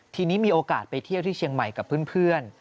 ทีนี้มีโอกาสไปเที่ยวที่เชียงใหม่กับเพื่อน